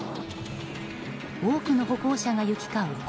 多くの歩行者が行き交う